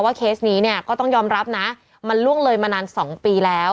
เคสนี้เนี่ยก็ต้องยอมรับนะมันล่วงเลยมานาน๒ปีแล้ว